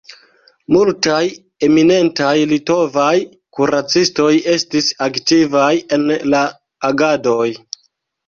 Multaj eminentaj litovaj kuracistoj estis aktivaj en la agadoj.